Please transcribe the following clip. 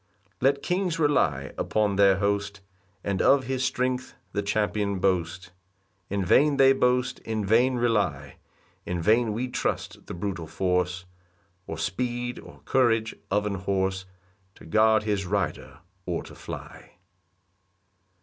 2 Let kings rely upon their host, And of his strength the champion boast; In vain they boast, in vain rely; In vain we trust the brutal force, Or speed, or courage of an horse, To guard his rider, or to fly.